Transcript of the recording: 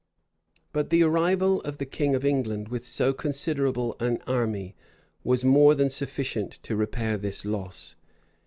But the arrival of the king of England with so considerable an army, was more than sufficient to repair this loss.